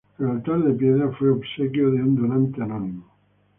El altar de piedra fue obsequiado por un donante anónimo.